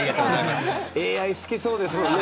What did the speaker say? ＡＩ好きそうですもんね。